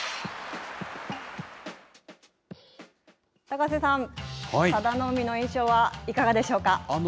高瀬さん、佐田の海の印象はいかがでしょうか。